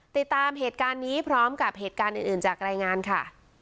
ติดตามเหตุการณ์นี้พร้อมกับเหตุการณ์อื่นจากรายงานค่ะ